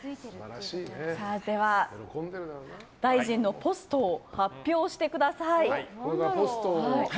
大臣のポストを発表してください。